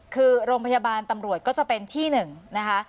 คือโรงพยาบาลตำรวจก็จะเป็นที่หนึ่งนะคะ